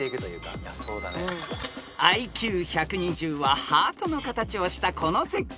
［ＩＱ１２０はハートの形をしたこの絶景］